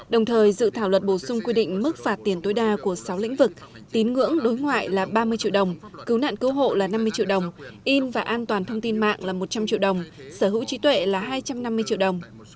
đồng thời dự thảo luật bổ sung quy định mức phạt tiền tối đa của sáu lĩnh vực tín ngưỡng đối ngoại là ba mươi triệu đồng cứu nạn cứu hộ là năm mươi triệu đồng in và an toàn thông tin mạng là một trăm linh triệu đồng sở hữu trí tuệ là hai trăm năm mươi triệu đồng